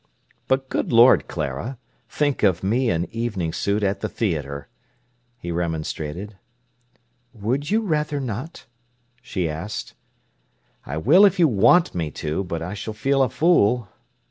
"But, good Lord, Clara! Think of me in evening suit at the theatre!" he remonstrated. "Would you rather not?" she asked. "I will if you want me to; but I s'll feel a fool."